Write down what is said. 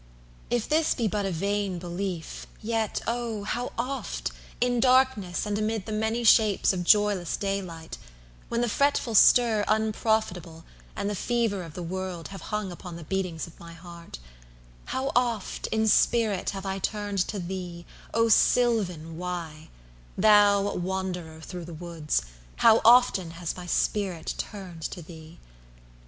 If this Be but a vain belief, yet, oh! how oft– 50 In darkness and amid the many shapes Of joyless daylight; when the fretful stir Unprofitable, and the fever of the world, Have hung upon the beatings of my heart– How oft, in spirit, have I turned to thee, O sylvan Wye! thou wanderer thro' the woods, How often has my spirit turned to thee!